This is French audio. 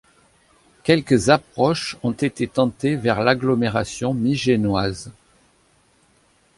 Quelques approches ont été tentées vers l'agglomération Migennoise.